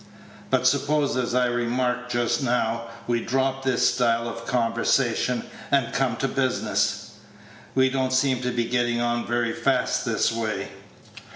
But suppose, as I remarked just now, we drop this style of conversation, and come to business. We don't seem to be getting on very fast this way."